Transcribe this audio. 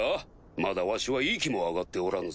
まだわしは息も上がっておらぬぞ。